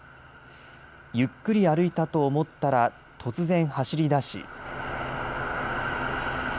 ゆっくり歩いたと思ったら突然走り出し。